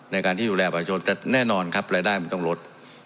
ในการที่ดูแลประชาชนแต่แน่นอนครับรายได้มันต้องลด